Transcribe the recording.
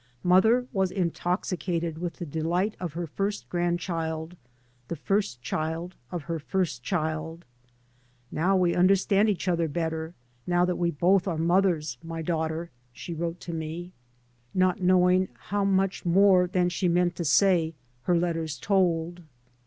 Mother was intoxicated with the delight of her first grandchild, the first child of her first child. " Now we un derstand each other better, now that we both are mothers, my daughter," she wrote te me, [i6i] 3 by Google MT MOTHER AND I not knowing how much more than she meant to say her letters told.